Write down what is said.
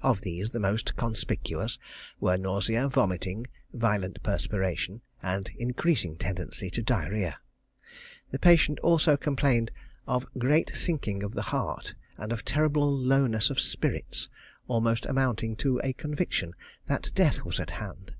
Of these the most conspicuous were nausea, vomiting, violent perspiration, and increasing tendency to diarrhoea. The patient also complained of great sinking of the heart, and of a terrible lowness of spirits, almost amounting to a conviction that death was at hand.